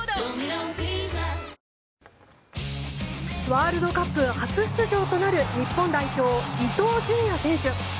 ワールドカップ初出場となる日本代表、伊東純也選手。